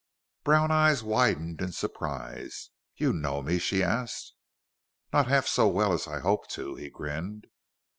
Brown eyes widened in surprise. "You know me?" she asked. "Not half so well as I hope to," he grinned.